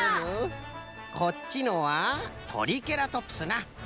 こっちのはトリケラトプスな。